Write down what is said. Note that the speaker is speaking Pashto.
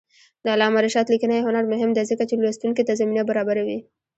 د علامه رشاد لیکنی هنر مهم دی ځکه چې لوستونکي ته زمینه برابروي.